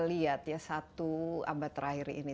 lihat ya satu abad terakhir ini